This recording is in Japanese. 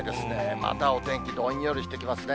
またお天気、どんよりしてきますね。